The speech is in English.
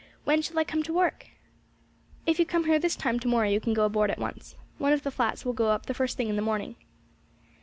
"When shall I come to work?" "If you come here this time to morrow you can go aboard at once. One of the flats will go up the first thing in the morning."